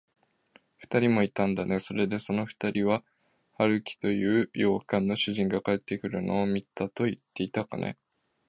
ふたりもいたんだね。それで、そのふたりは、春木という洋館の主人が帰ってくるのを見たといっていたかね。